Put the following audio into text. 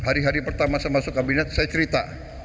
hari hari pertama saya masuk kabinet saya cerita